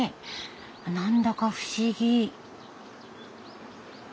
何だか不思議。